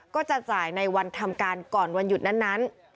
ก็จะจ่ายในวันทำการก่อนวันหยุดนั้น